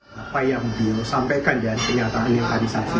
ketua umum pdip mekawati